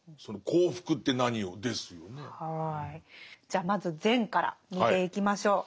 じゃあまず善から見ていきましょう。